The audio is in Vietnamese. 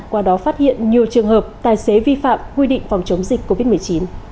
qua đó phát hiện nhiều trường hợp tài xế vi phạm quy định phòng chống dịch covid một mươi chín